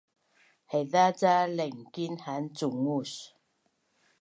haiza ca laingkin haan cungus